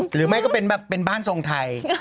หรือไม่ก็เป็นบ้านทรงไทย